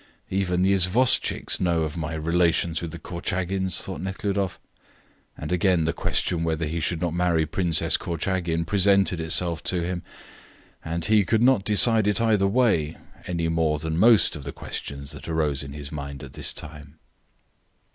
"Even the isvostchiks know of my relations with the Korchagins," thought Nekhludoff, and again the question whether he should not marry Princess Korchagin presented itself to him, and he could not decide it either way, any more than most of the questions that arose in his mind at this time.